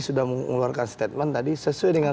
sudah mengeluarkan statement tadi sesuai dengan